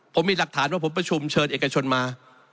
ผมมีหลักฐานว่าผมประชุมเชิญเอกชนมา